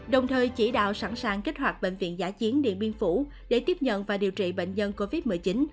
đồng thời chỉ đạo sẵn sàng kích hoạt bệnh viện giả chiến điện biên phủ để tiếp nhận và điều trị bệnh nhân covid một mươi chín